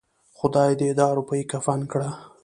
خداى دې دا روپۍ کفن کړه.